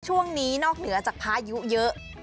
ช่วงนี้นอกเหนือจากพายุเยอะ